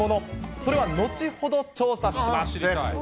それは後ほど調査します。